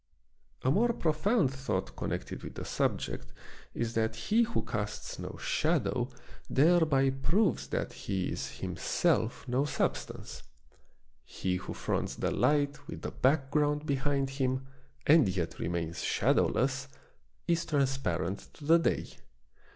A more profound thought connected with the subject is that he who casts no shadow thereby proves that he Introductio7i, viii is himself no substance. He who fronts the light with a background behind him and yet remains shadowless is transparent to the day.